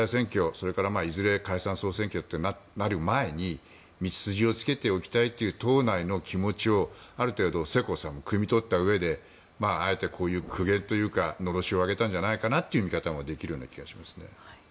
それからいずれ解散・総選挙となる前に道筋をつけておきたいという党内の気持ちをある程度、世耕さんもくみ取ったうえであえてこういう苦言というかのろしを上げたんじゃないかという見方もできるような気がしますね。